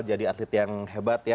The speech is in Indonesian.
jadi atlet yang hebat ya